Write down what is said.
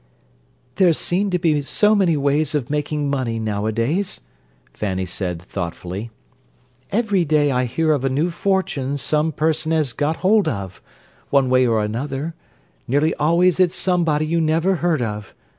"There seem to be so many ways of making money nowadays," Fanny said thoughtfully. "Every day I hear of a new fortune some person has got hold of, one way or another—nearly always it's somebody you never heard of.